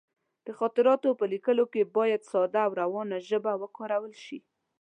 د خاطراتو په لیکلو کې باید ساده او روانه ژبه وکارول شي.